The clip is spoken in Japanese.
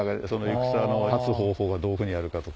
戦の勝つ方法がどういうふうにやるかとか。